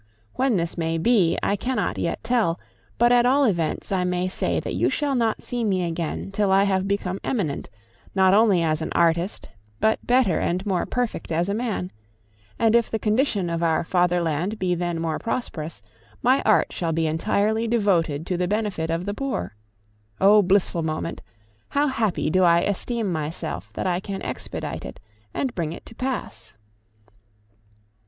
When this may be I cannot yet tell; but at all events I may say that you shall not see me again till I have become eminent, not only as an artist, but better and more perfect as a man; and if the condition of our father land be then more prosperous, my art shall be entirely devoted to the benefit of the poor. Oh, blissful moment! how happy do I esteem myself that I can expedite it and bring it to pass!